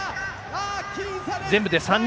全部で３人。